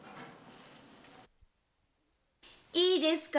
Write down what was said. いいですか？